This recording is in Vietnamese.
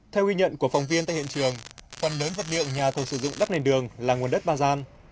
theo nguyên nhân của phòng viên tại hiện trường phần lớn vật liệu nhà thường sử dụng đất nền đường là nguồn đất ba gian